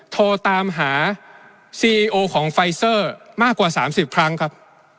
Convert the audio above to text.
โทรตามหาซีโอของไฟเซอร์มากกว่า๓๐ครั้งครับ